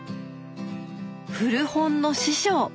古本の師匠！